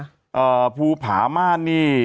เอ่อภูผาม่านนี่